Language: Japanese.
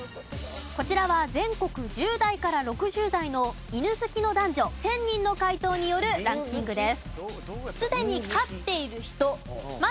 こちらは全国１０代から６０代の犬好きの男女１０００人の回答によるランキングです。